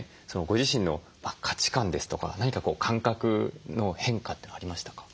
ご自身の価値観ですとか何か感覚の変化ってありましたか？